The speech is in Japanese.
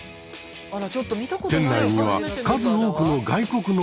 店内には数多くの外国の方々が。